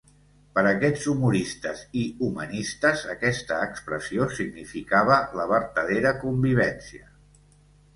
Per aquests humoristes i humanistes, aquesta expressió significava la vertadera convivència.